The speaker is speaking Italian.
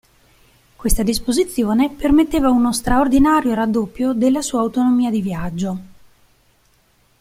Questa disposizione permetteva uno straordinario raddoppio della sua autonomia di viaggio.